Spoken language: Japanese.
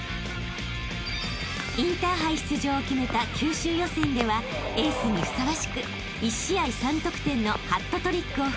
［インターハイ出場を決めた九州予選ではエースにふさわしく１試合３得点のハットトリックを含む